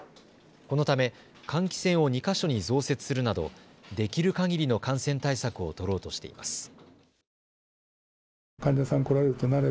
このため換気扇を２か所に増設するなどできるかぎりの感染対策を取ろうとしています。